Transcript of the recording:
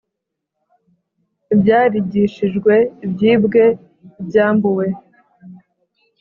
Ibyarigishijwe Ibyibwe Ibyambuwe